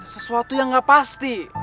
sesuatu yang gak pasti